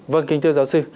vâng kính thưa giáo sư